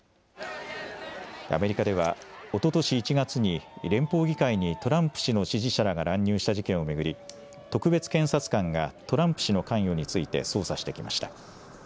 アメリカではおととし１月に連邦議会にトランプ氏の支持者らが乱入した事件を巡り、特別検察官がトランプ氏の関与について捜査してきました。